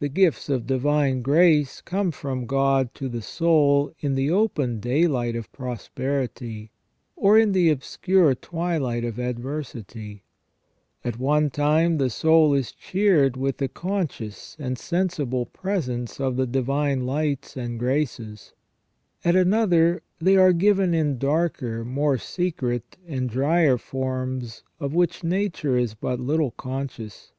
The gifts of divine grace come from God to the soul in the open daylight of prosperity, or in the obscure twilight of adversity ; at one time the soul is cheered with the conscious and sensible presence of the divine lights and graces ; at another they are given in darker, more secret, and drier forms, of which nature is but little conscious.